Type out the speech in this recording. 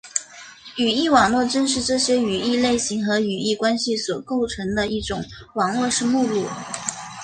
语义网络正是这些语义类型和语义关系所构成的一种网络式目录。